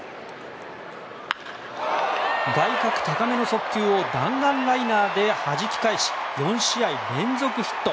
外角高めの速球を弾丸ライナーではじき返し４試合連続ヒット。